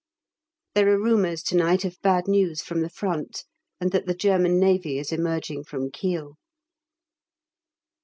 There are rumours to night of bad news from the front, and that the German Navy is emerging from Kiel.